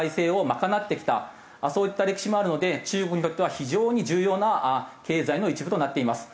そういった歴史もあるので中国にとっては非常に重要な経済の一部となっています。